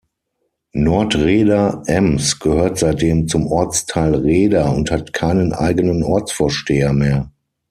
Nordrheda-Ems gehört seitdem zum Ortsteil Rheda und hat keinen eigenen Ortsvorsteher mehr.